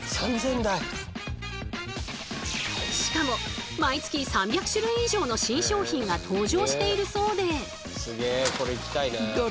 しかも毎月３００種類以上の新商品が登場しているそうで。